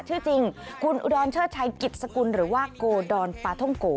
ชื่อจริงคุณอุดรเชิดชัยกิจสกุลหรือว่าโกดอนปาท่องโก